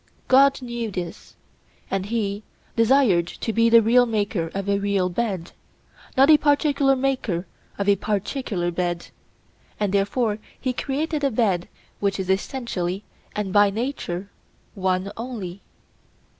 God knew this, and He desired to be the real maker of a real bed, not a particular maker of a particular bed, and therefore He created a bed which is essentially and by nature one only.